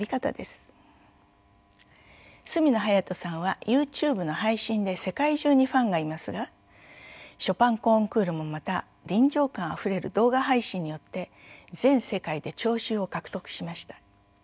角野隼斗さんはＹｏｕＴｕｂｅの配信で世界中にファンがいますがショパンコンクールもまた臨場感あふれる動画配信によって全世界で聴衆を獲得しました。